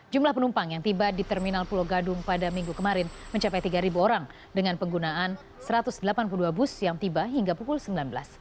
jumlah penumpang yang tiba di terminal pulau gadung pada minggu kemarin mencapai tiga orang dengan penggunaan satu ratus delapan puluh dua bus yang tiba hingga pukul sembilan belas